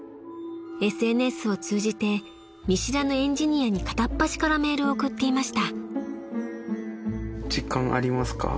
［ＳＮＳを通じて見知らぬエンジニアに片っ端からメールを送っていました］